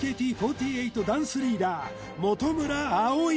ＨＫＴ４８ダンスリーダー